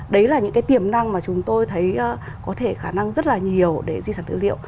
đấy là những cái tiềm năng mà chúng tôi thấy có thể khả năng rất là nhiều để di sản tư liệu